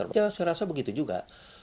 saya rasa begitu juga